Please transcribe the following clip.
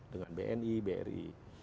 dengan bni bri